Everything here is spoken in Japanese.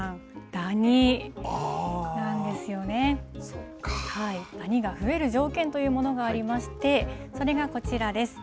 ダニが増える条件というものがありまして、それがこちらです。